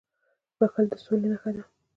• بښل د سولي نښه ده.